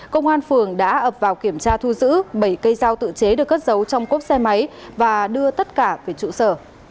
công an phường đã ập vào kiểm tra thu giữ bảy cây dao tự chế được cất giấu trong cốp xe máy và đưa tất cả về trụ sở